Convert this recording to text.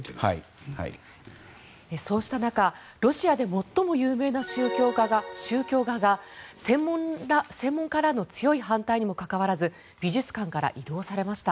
そうした中ロシアで最も有名な宗教画が専門家らの強い反対にもかかわらず美術館から移動されました。